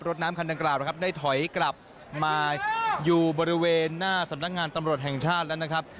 รถน้ำคันดังกล่าวนะครับได้ถอยกลับมาอยู่บริเวณหน้าสำนักงานตำรวจแห่งชาติแล้วนะครับ